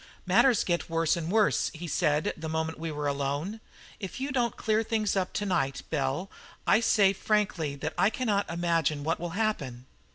"Matters get worse and worse," he said the moment we were alone. "If you don't clear things up to night, Bell, I say frankly that I cannot imagine what will happen."